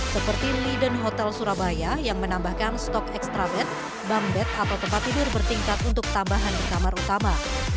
seperti liden hotel surabaya yang menambahkan stok ekstra bed bank bed atau tempat tidur bertingkat untuk tambahan di kamar utama